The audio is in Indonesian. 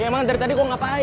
ya emang dari tadi gua ngapain